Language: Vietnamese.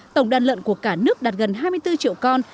tổng đàn lợn của cả nước đạt gần hai mươi bốn triệu con